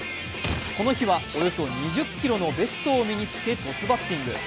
この日はおよそ２０キロのベストを身につけ、トスバッティング。